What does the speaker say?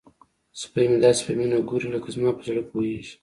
سپی مې داسې په مینه ګوري لکه زما په زړه پوهیږي.